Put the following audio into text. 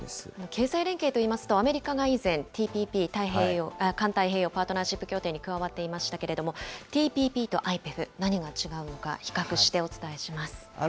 経済連携といいますと、アメリカが以前、ＴＰＰ・環太平洋パートナーシップ協定に加わっていましたけれども、ＴＰＰとＩＰＥＦ、何が違うのか、比較してお伝えします。